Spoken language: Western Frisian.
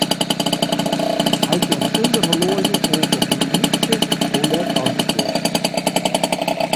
Hy kin sonder horloazje oant op 'e minút sizze hoe let as it is.